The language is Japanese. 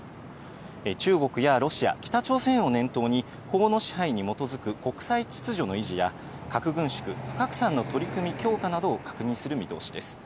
中国やロシア、北朝鮮を念頭に、法の支配に基づく国際秩序の維持や、核軍縮・不拡散の取り組み強化などを確認する見通しです。